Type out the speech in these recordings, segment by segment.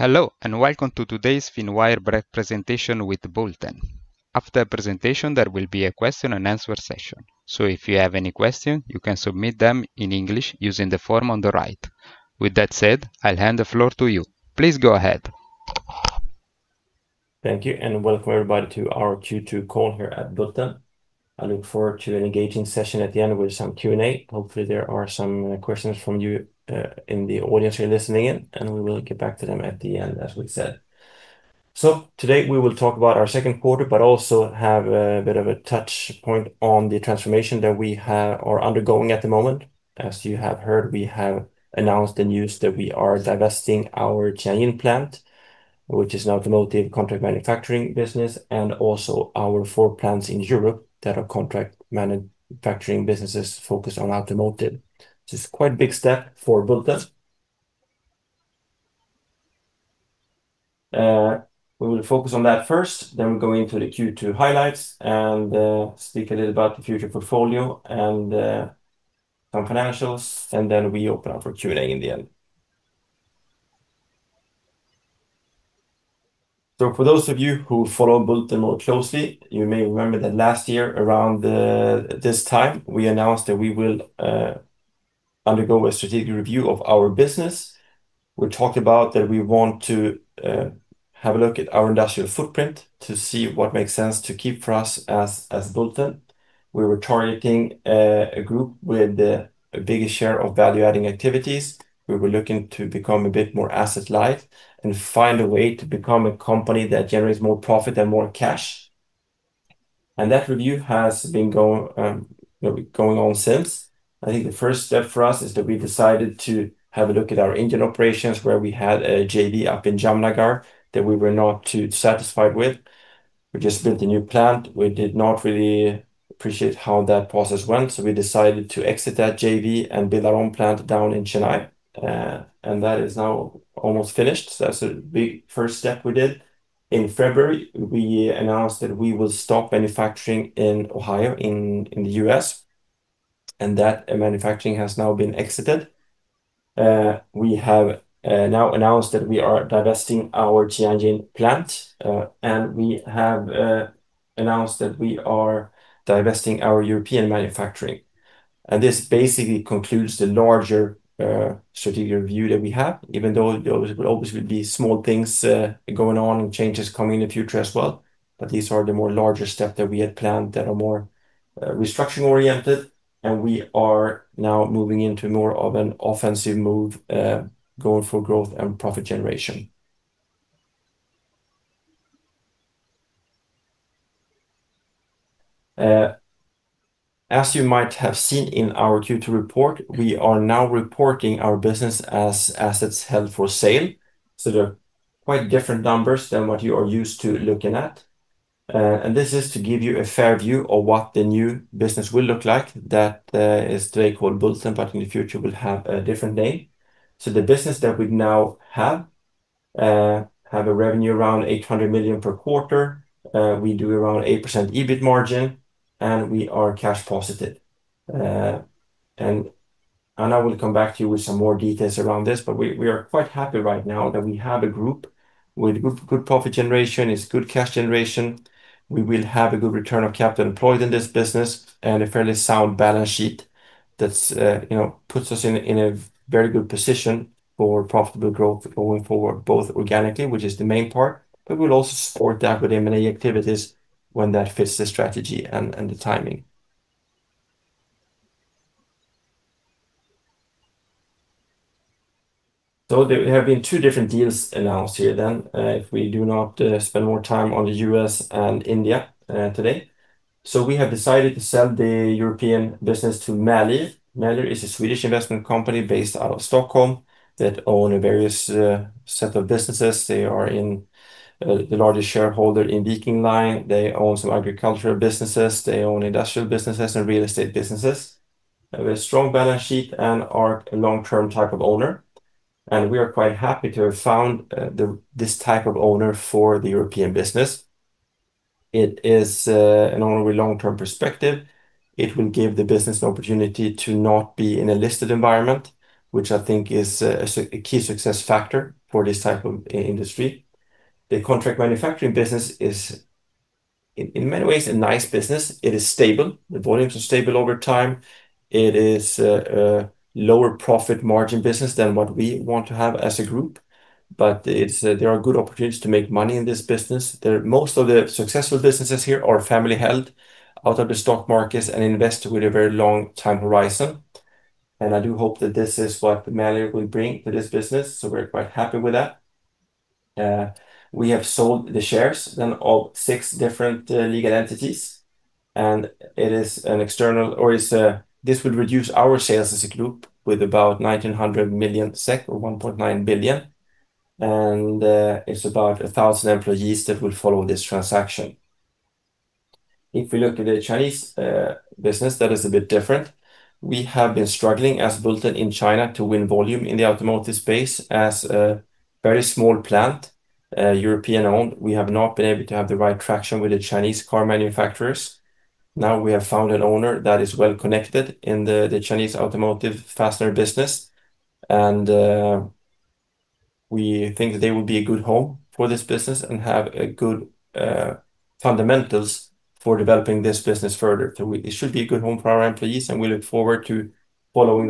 Hello, and welcome to today's Finwire presentation with Bulten. After the presentation, there will be a question and answer session. If you have any questions, you can submit them in English using the form on the right. With that said, I'll hand the floor to you. Please go ahead. Thank you, and welcome everybody to our Q2 call here at Bulten. I look forward to an engaging session at the end with some Q&A. Hopefully, there are some questions from you in the audience who are listening in. We will get back to them at the end, as we said. Today, we will talk about our second quarter. Also have a bit of a touch point on the transformation that we are undergoing at the moment. As you have heard, we have announced the news that we are divesting our Tianjin plant, which is an automotive contract manufacturing business. Also our four plants in Europe that are contract manufacturing businesses focused on automotive. This is quite a big step for Bulten. We will focus on that first, then we'll go into the Q2 highlights and speak a little about the future portfolio and some financials. We open up for Q&A in the end. For those of you who follow Bulten more closely, you may remember that last year around this time. We announced that we will undergo a strategic review of our business. We talked about that we want to have a look at our industrial footprint to see what makes sense to keep for us as Bulten. We were targeting a group with the biggest share of value-adding activities. We were looking to become a bit more asset-light and find a way to become a company that generates more profit and more cash. That review has been going on since. I think the first step for us is that we decided to have a look at our engine operations, where we had a JV up in Jamnagar that we were not too satisfied with. We just built a new plant. We did not really appreciate how that process went. We decided to exit that JV and build our own plant down in Chennai. That is now almost finished. That's a big first step we did. In February, we announced that we will stop manufacturing in Ohio in the U.S. That manufacturing has now been exited. We have now announced that we are divesting our Tianjin plant. We have announced that we are divesting our European manufacturing. This basically concludes the larger strategic review that we have, even though there always will be small things going on and changes coming in the future as well. These are the more larger steps that we had planned that are more restructuring-oriented. We are now moving into more of an offensive move going for growth and profit generation. As you might have seen in our Q2 report, we are now reporting our business as assets held for sale. They're quite different numbers than what you are used to looking at. This is to give you a fair view of what the new business will look like. That is today called Bulten, but in the future will have a different name. The business that we now have a revenue around 800 million per quarter. We do around 8% EBIT margin, and we are cash positive. I will come back to you with some more details around this, we are quite happy right now that we have a group with good profit generation, it's good cash generation. We will have a good return on capital employed in this business and a fairly sound balance sheet that puts us in a very good position for profitable growth going forward, both organically, which is the main part, we'll also support that with M&A activities when that fits the strategy and the timing. There have been two different deals announced here then, if we do not spend more time on the U.S. and India today. We have decided to sell the European business to Maelir. Maelir is a Swedish investment company based out of Stockholm that own a various set of businesses. They are in the largest shareholder in Viking Line. They own some agricultural businesses. They own industrial businesses and real estate businesses with strong balance sheet and are a long-term type of owner. We are quite happy to have found this type of owner for the European business. It is an owner with long-term perspective. It will give the business an opportunity to not be in a listed environment, which I think is a key success factor for this type of industry. The contract manufacturing business is in many ways a nice business. It is stable. The volumes are stable over time. It is a lower profit margin business than what we want to have as a group, there are good opportunities to make money in this business. Most of the successful businesses here are family-held out of the stock markets and invest with a very long time horizon. I do hope that this is what Maelir will bring to this business. We're quite happy with that. We have sold the shares of six different legal entities. This would reduce our sales as a group with about 1,900 million SEK or 1.9 billion. It's about 1,000 employees that will follow this transaction. If we look at the Chinese business, that is a bit different. We have been struggling as Bulten in China to win volume in the automotive space as a very small plant, European-owned. We have not been able to have the right traction with the Chinese car manufacturers. Now we have found an owner that is well-connected in the Chinese automotive fastener business, and we think that they will be a good home for this business and have good fundamentals for developing this business further. It should be a good home for our employees, and we look forward to following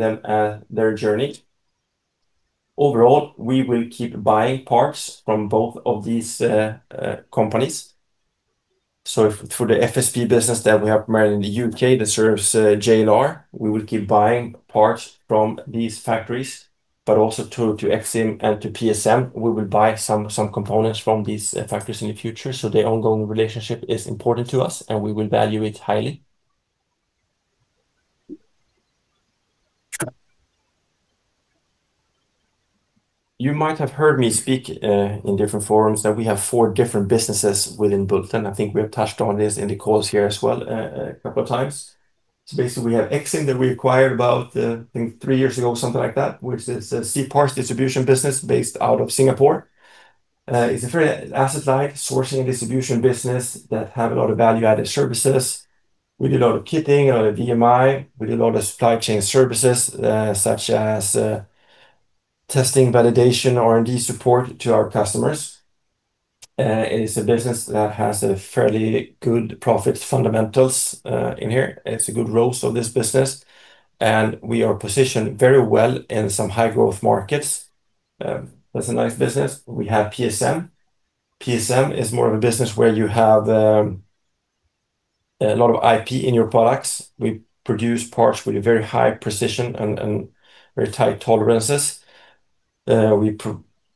their journey. Overall, we will keep buying parts from both of these companies. For the FSP business that we have primarily in the U.K. that serves JLR, we will keep buying parts from these factories, but also to EXIM and to PSM, we will buy some components from these factories in the future. The ongoing relationship is important to us, and we will value it highly. You might have heard me speak in different forums that we have four different businesses within Bulten. I think we have touched on this in the calls here as well a couple of times. We have EXIM that we acquired about I think three years ago, something like that, which is a C-parts distribution business based out of Singapore. It's a very asset-light sourcing and distribution business that have a lot of value-added services. We did a lot of kitting, a lot of VMI. We did a lot of supply chain services, such as testing, validation, R&D support to our customers. It is a business that has fairly good profit fundamentals in here. It's a good role for this business, and we are positioned very well in some high-growth markets. That's a nice business. We have PSM. PSM is more of a business where you have a lot of IP in your products. We produce parts with very high precision and very tight tolerances. We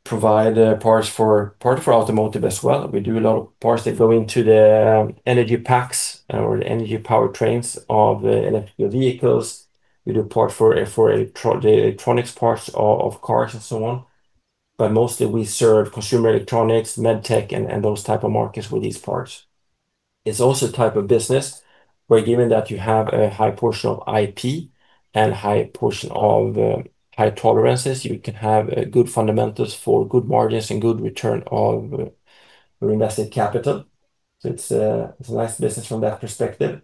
provide parts partly for automotive as well. We do a lot of parts that go into the energy packs or the energy powertrains of electrical vehicles. We do electronics parts of cars and so on. Mostly we serve consumer electronics, med tech, and those type of markets with these parts. It's also a type of business where, given that you have a high portion of IP and high portion of high tolerances, you can have good fundamentals for good margins and good return on invested capital. It's a nice business from that perspective.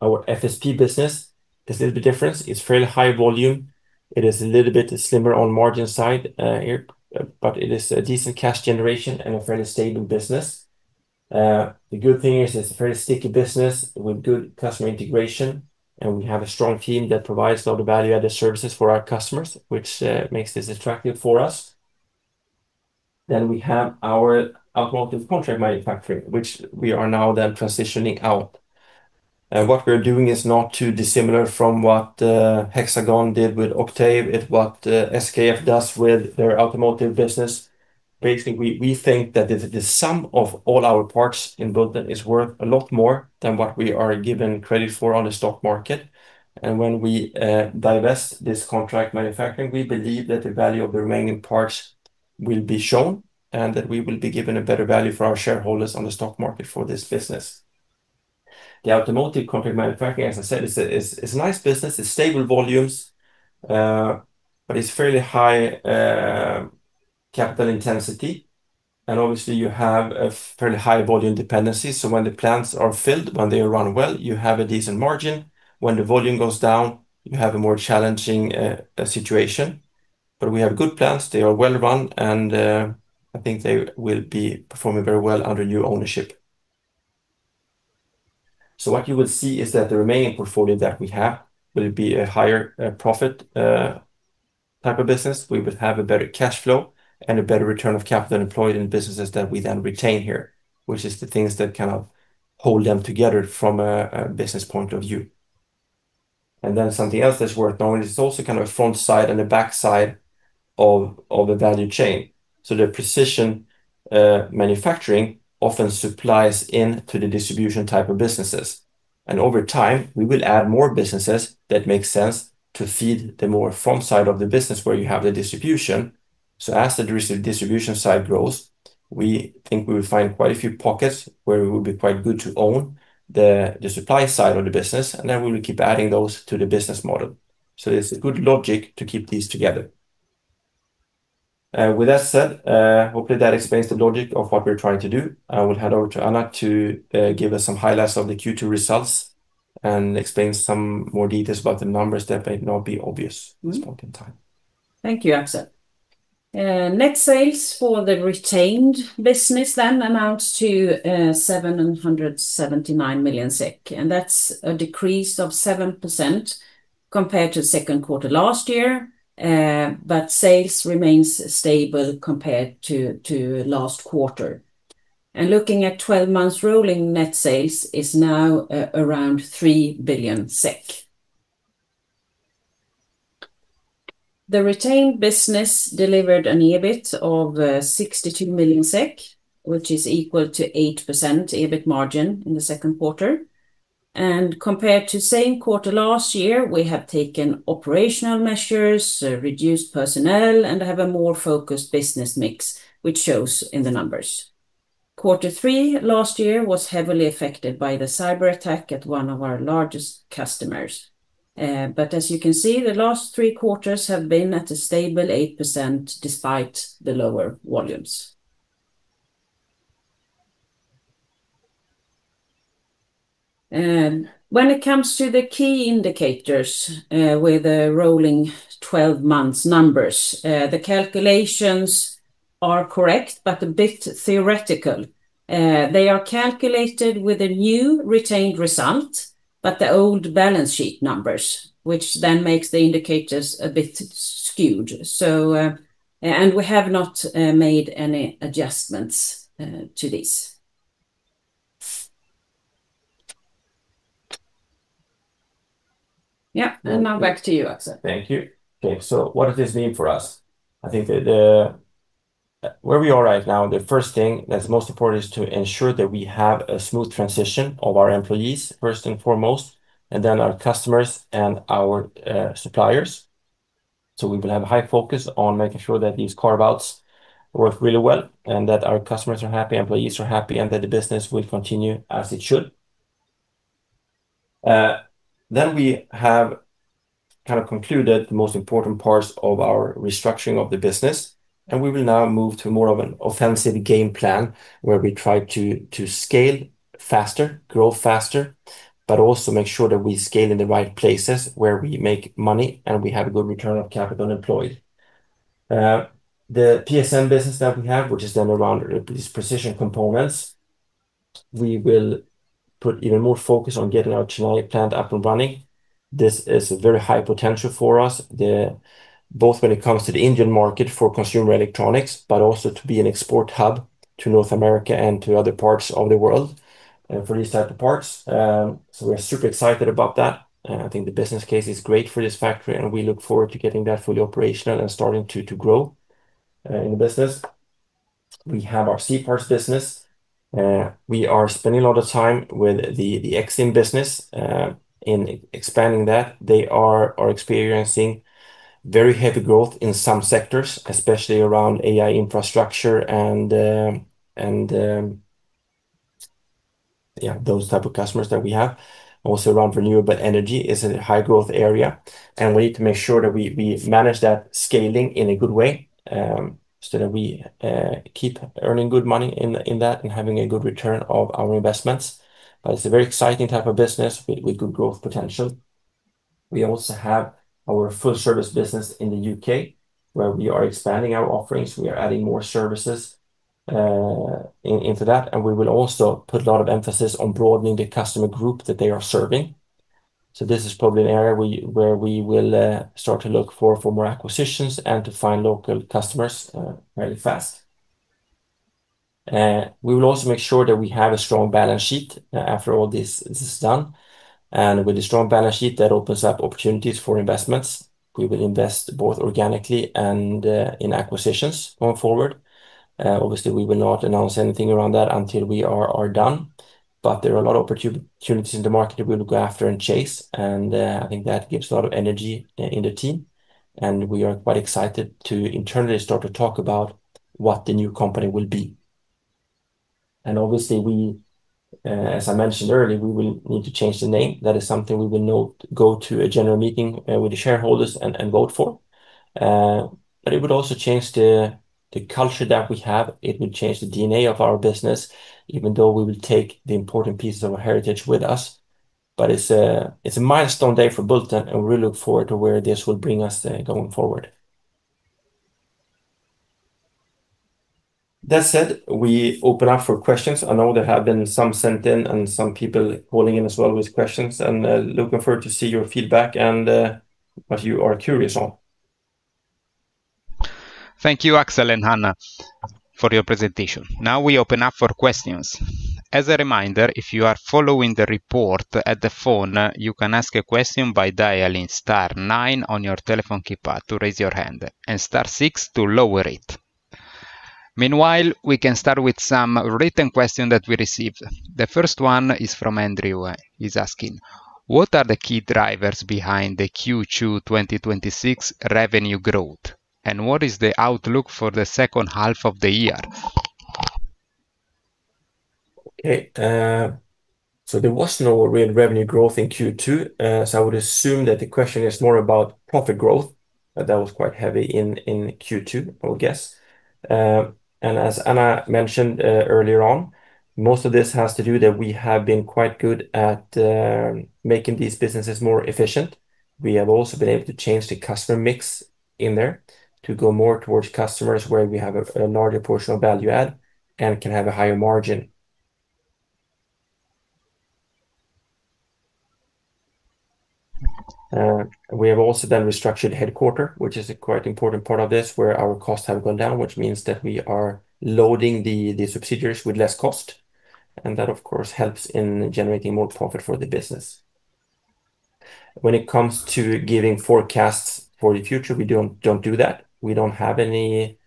Our FSP business is a little bit different. It's fairly high volume. It is a little bit slimmer on margin side here, but it is a decent cash generation and a fairly stable business. The good thing is it's a fairly sticky business with good customer integration, and we have a strong team that provides a lot of value-added services for our customers, which makes this attractive for us. We have our automotive contract manufacturing, which we are now then transitioning out. What we're doing is not too dissimilar from what Hexagon did with Octave. It's what SKF does with their automotive business. We think that the sum of all our parts in Bulten is worth a lot more than what we are given credit for on the stock market. When we divest this contract manufacturing, we believe that the value of the remaining parts will be shown and that we will be given a better value for our shareholders on the stock market for this business. The automotive contract manufacturing, as I said, it's a nice business. It's stable volumes, but it's fairly high capital intensity, and obviously you have a fairly high volume dependency. When the plants are filled, when they run well, you have a decent margin. When the volume goes down, you have a more challenging situation. We have good plants. They are well run and I think they will be performing very well under new ownership. What you will see is that the remaining portfolio that we have will be a higher profit type of business. We will have a better cash flow and a better return on capital employed in businesses that we then retain here, which is the things that kind of hold them together from a business point of view. Something else that's worth knowing is it's also kind of a front side and a back side of a value chain. The precision manufacturing often supplies into the distribution type of businesses. Over time, we will add more businesses that make sense to feed the more front side of the business where you have the distribution. As the distribution side grows, we think we will find quite a few pockets where it would be quite good to own the supply side of the business, and then we will keep adding those to the business model. It's a good logic to keep these together. With that said, hopefully that explains the logic of what we're trying to do. I will hand over to Anna to give us some highlights of the Q2 results and explain some more details about the numbers that may not be obvious this point in time. Thank you, Axel. Net sales for the retained business amount to 779 million. That's a decrease of 7% compared to second quarter last year. Sales remains stable compared to last quarter. Looking at 12 months rolling, net sales is now around 3 billion SEK. The retained business delivered an EBIT of 62 million SEK, which is equal to 8% EBIT margin in the second quarter. Compared to same quarter last year, we have taken operational measures, reduced personnel, and have a more focused business mix, which shows in the numbers. Quarter three last year was heavily affected by the cyber attack at one of our largest customers. As you can see, the last three quarters have been at a stable 8% despite the lower volumes. When it comes to the key indicators with the rolling 12 months numbers, the calculations are correct, a bit theoretical. They are calculated with a new retained result, the old balance sheet numbers, which then makes the indicators a bit skewed. We have not made any adjustments to this. Now back to you, Axel. Thank you. Okay, what does this mean for us? I think that where we are right now, the first thing that's most important is to ensure that we have a smooth transition of our employees, first and foremost, and then our customers and our suppliers. We will have a high focus on making sure that these carve-outs work really well and that our customers are happy, employees are happy, and that the business will continue as it should. We have concluded the most important parts of our restructuring of the business, and we will now move to more of an offensive game plan where we try to scale faster, grow faster, but also make sure that we scale in the right places where we make money and we have a good return on capital employed. The PSM business that we have, which is then around these precision components, we will put even more focus on getting our Chennai plant up and running. This is a very high potential for us, both when it comes to the Indian market for consumer electronics, but also to be an export hub to North America and to other parts of the world for these type of parts. We're super excited about that. I think the business case is great for this factory, and we look forward to getting that fully operational and starting to grow in the business. We have our C-parts business. We are spending a lot of time with the EXIM business in expanding that. They are experiencing very heavy growth in some sectors, especially around AI infrastructure and those type of customers that we have. Also around renewable energy is a high growth area, and we need to make sure that we manage that scaling in a good way, so that we keep earning good money in that and having a good return of our investments. It's a very exciting type of business with good growth potential. We also have our full service business in the U.K. where we are expanding our offerings. We are adding more services into that, and we will also put a lot of emphasis on broadening the customer group that they are serving. This is probably an area where we will start to look for more acquisitions and to find local customers fairly fast. We will also make sure that we have a strong balance sheet after all this is done. With a strong balance sheet, that opens up opportunities for investments. We will invest both organically and in acquisitions going forward. Obviously, we will not announce anything around that until we are done, but there are a lot of opportunities in the market that we will go after and chase, and I think that gives a lot of energy in the team, and we are quite excited to internally start to talk about what the new company will be. Obviously, as I mentioned earlier, we will need to change the name. That is something we will go to a general meeting with the shareholders and vote for. It would also change the culture that we have. It will change the DNA of our business, even though we will take the important pieces of our heritage with us. It's a milestone day for Bulten, and we look forward to where this will bring us going forward. That said, we open up for questions. I know there have been some sent in and some people calling in as well with questions, and looking forward to see your feedback and what you are curious on. Thank you, Axel and Anna, for your presentation. Now we open up for questions. As a reminder, if you are following the report at the phone, you can ask a question by dialing star nine on your telephone keypad to raise your hand and star six to lower it. Meanwhile, we can start with some written question that we received. The first one is from [Andrew]. He's asking: What are the key drivers behind the Q2 2026 revenue growth, and what is the outlook for the second half of the year? Okay. There was no real revenue growth in Q2, so I would assume that the question is more about profit growth. That was quite heavy in Q2, I would guess. As Anna mentioned earlier on, most of this has to do that we have been quite good at making these businesses more efficient. We have also been able to change the customer mix in there to go more towards customers where we have a larger portion of value add and can have a higher margin. We have also then restructured headquarter, which is a quite important part of this, where our costs have gone down, which means that we are loading the subsidiaries with less cost, and that of course helps in generating more profit for the business. When it comes to giving forecasts for the future, we don't do that. We don't have any,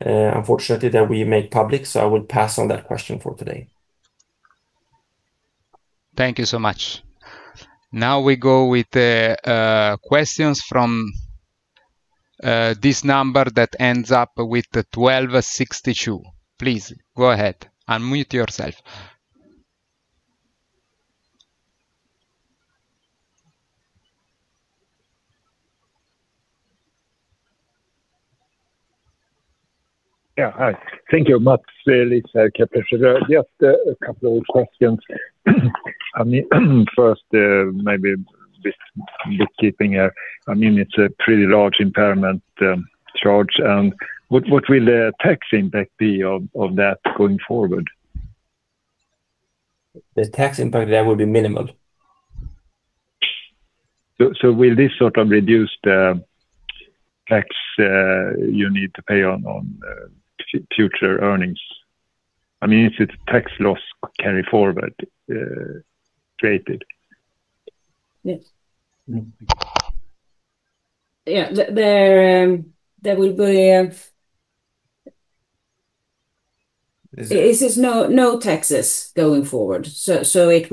unfortunately, that we make public, so I will pass on that question for today. Thank you so much. Now we go with the questions from this number that ends up with the 1262. Please go ahead. Unmute yourself Yeah. Hi. Thank you, its Mats Liss of Kepler Cheuvreux. Just a couple of questions. First, maybe a bit of bookkeeping here. It's a pretty large impairment charge. What will the tax impact be of that going forward? The tax impact of that will be minimal. Will this sort of reduce the tax you need to pay on future earnings? Is it tax loss carry forward created? Yes. There will be a It is no taxes going forward. We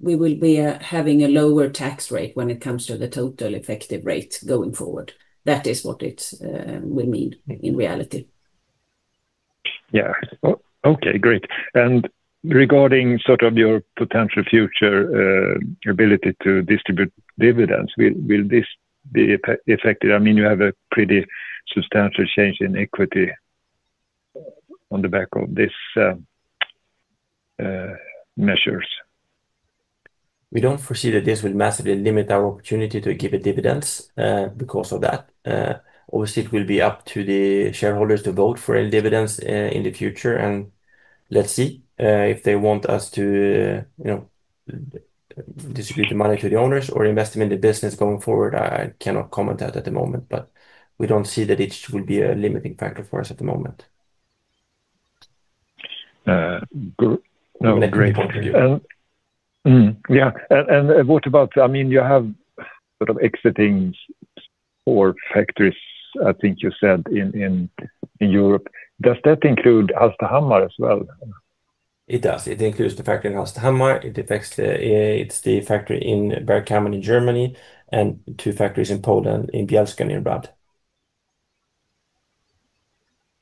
will be having a lower tax rate when it comes to the total effective rate going forward. That is what it will mean in reality. Yeah. Okay, great. Regarding your potential future ability to distribute dividends, will this be affected? You have a pretty substantial change in equity on the back of these measures. We don't foresee that this will massively limit our opportunity to give a dividend because of that. Obviously, it will be up to the shareholders to vote for any dividends in the future. Let's see if they want us to distribute the money to the owners or invest them in the business going forward. I cannot comment that at the moment, but we don't see that it will be a limiting factor for us at the moment. Great. No problem. Yeah. What about, you have exiting four factories, I think you said, in Europe. Does that include Hallstahammar as well? It does. It includes the factory in Hallstahammar. It affects the factory in Bergkamen in Germany. Two factories in Poland, in Bielsko-Biała and Radziechowy-Wieprz.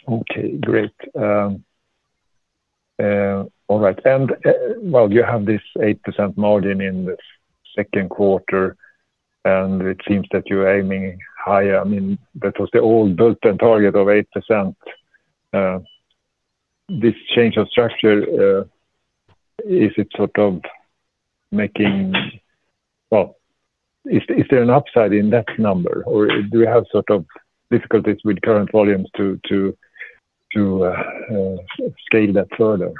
Okay, great. All right. You have this 8% margin in the second quarter, and it seems that you're aiming higher. That was the old Bulten target of 8%. This change of structure, is it sort of making, is there an upside in that number? Or do you have difficulties with current volumes to scale that further?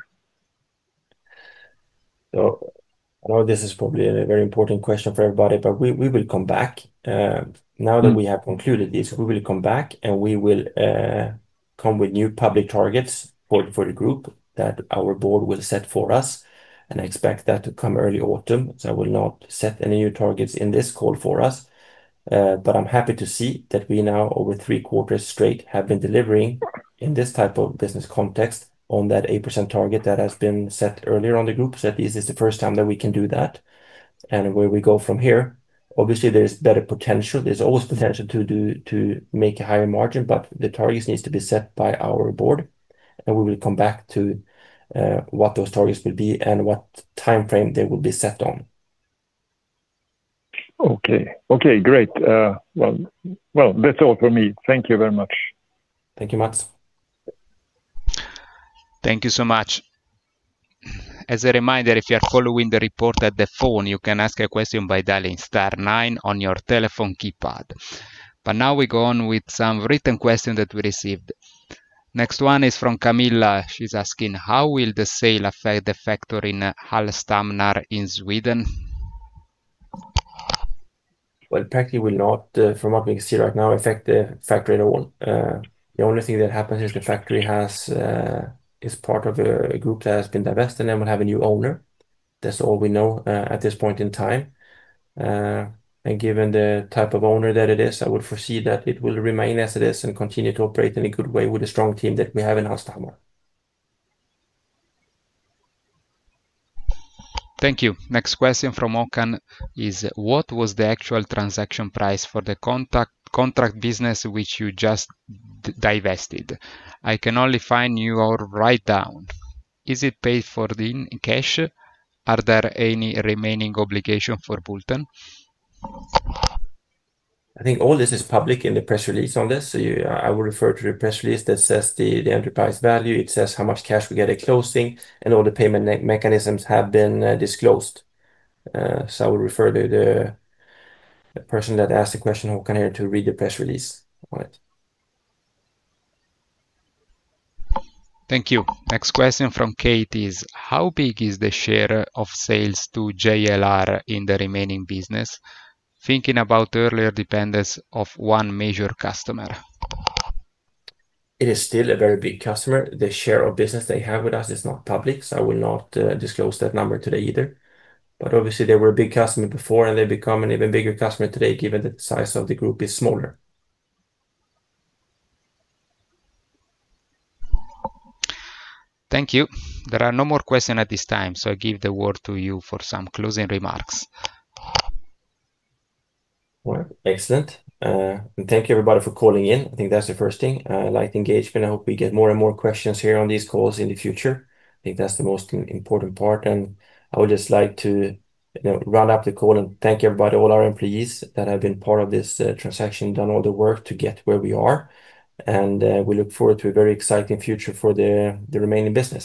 I know this is probably a very important question for everybody, we will come back. Now that we have concluded this, we will come back and we will come with new public targets for the group that our board will set for us, and I expect that to come early autumn. I will not set any new targets in this call for us. I'm happy to see that we now, over three quarters straight, have been delivering in this type of business context on that 8% target that has been set earlier on the group. At least it's the first time that we can do that. Where we go from here, obviously, there's better potential. There's always potential to make a higher margin, the targets needs to be set by our Board, and we will come back to what those targets will be and what timeframe they will be set on. Okay, great. That's all from me. Thank you very much. Thank you, Mats. Thank you so much. As a reminder, if you are following the report at the phone, you can ask a question by dialing star nine on your telephone keypad. Now we go on with some written questions that we received. Next one is from [Camilla]. She's asking: How will the sale affect the factory in Hallstahammar in Sweden? Well, practically will not, from what we can see right now, affect the factory at all. The only thing that happens is the factory is part of a group that has been divested and will have a new owner. That's all we know at this point in time. Given the type of owner that it is, I would foresee that it will remain as it is and continue to operate in a good way with the strong team that we have in Hallstahammar. Thank you. Next question from [Okan] is: What was the actual transaction price for the contract business which you just divested? I can only find your write-down. Is it paid for in cash? Are there any remaining obligations for Bulten? I think all this is public in the press release on this. I would refer to the press release that says the enterprise value, it says how much cash we get at closing, and all the payment mechanisms have been disclosed. I would refer the person that asked the question, Okan, to read the press release on it. Thank you. Next question from [Katie] is: How big is the share of sales to JLR in the remaining business? Thinking about earlier dependence of one major customer. It is still a very big customer. The share of business they have with us is not public, I will not disclose that number today either. Obviously they were a big customer before, and they've become an even bigger customer today, given the size of the group is smaller. Thank you. There are no more questions at this time, I give the word to you for some closing remarks. Well, excellent. Thank you, everybody, for calling in. I think that's the first thing. I like the engagement. I hope we get more and more questions here on these calls in the future. I think that's the most important part. I would just like to round up the call and thank everybody, all our employees that have been part of this transaction, done all the work to get where we are. We look forward to a very exciting future for the remaining business.